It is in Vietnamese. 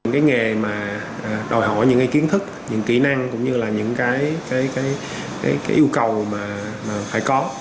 cái nghề mà đòi hỏi những cái kiến thức những kỹ năng cũng như là những cái yêu cầu mà phải có